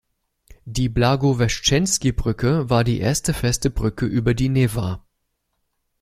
Die Blagoweschtschenski-Brücke war die erste feste Brücke über die Newa.